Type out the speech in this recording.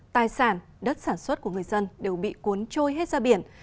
tài sản đất sản xuất của người dân đều bị cuốn trôi hết ra biển